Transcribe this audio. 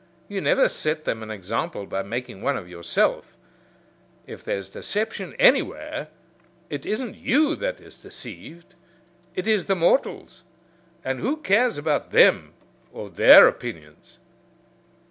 You never set them an example by making one of yourself. If there's deception anywhere, it isn't you that is deceived; it is the mortals. And who cares about them or their opinions?"